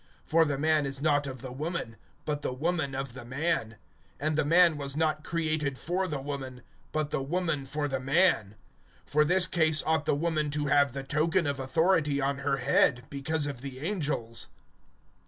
(8)For the man is not of the woman; but the woman of the man. (9)And the man was not created for the woman, but the woman for the man. (10)For this cause ought the woman to have [the token of] authority on her head, because of the angels.